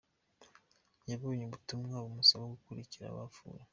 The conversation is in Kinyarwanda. Yabonye ubutumwa bumusaba gukurikira abapfuye